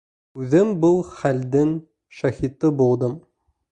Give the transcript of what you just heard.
Үҙем был хәлдең шаһиты булдым.